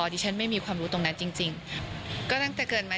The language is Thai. ดิฉันไม่มีความรู้ตรงนั้นจริงจริงก็ตั้งแต่เกิดมา